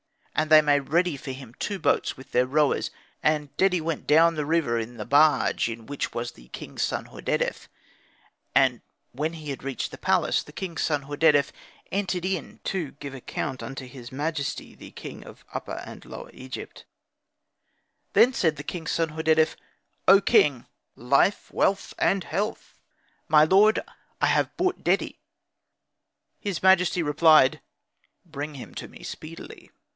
And they made ready for him two boats with their rowers. And Dedi went down the river in the barge in which was the king's son Hordedef. And when he had reached the palace, the king's son, Hordedef, entered in to give account unto his majesty the king of Upper and Lower Egypt, Khufu, the blessed. Then said the king's son Hordedef, "O king, life, wealth, and health! My lord, I have brought Dedi." His majesty replied, "Bring him to me speedily."